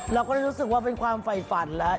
เราก็ได้รู้สึกว่าเป็นความไฟฝันแล้ว